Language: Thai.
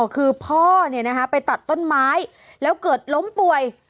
อ๋อคือพ่อเนี่ยนะฮะไปตัดต้นไม้แล้วเกิดล้มป่วย